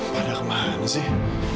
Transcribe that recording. padahal kemana sih